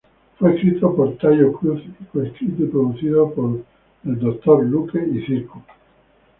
Fue escrito por Taio Cruz y co-escrito y producido por Dr. Luke y Cirkut.